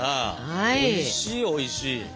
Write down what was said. おいしいおいしい。